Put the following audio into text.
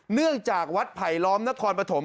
เนื่องจากวัดไผลล้อมนครปฐม